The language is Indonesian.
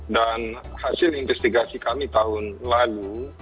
dan hasil investigasi kami tahun lalu